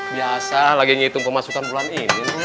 biasa lagi ngitung pemasukan bulan ini